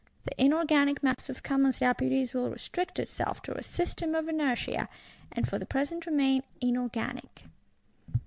—The inorganic mass of Commons Deputies will restrict itself to a "system of inertia," and for the present remain inorganic.